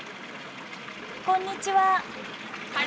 こんにちは。